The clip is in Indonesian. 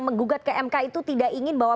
menggugat ke mk itu tidak ingin bahwa